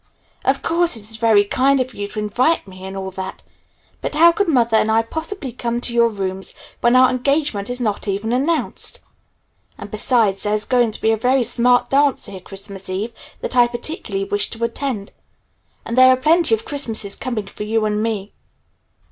Of course it is very kind of you to invite me and all that, but how could mother and I possibly come to your rooms when our engagement is not even announced? And besides there is going to be a very smart dance here Christmas Eve that I particularly wish to attend. And there are plenty of Christmases coming for you and me.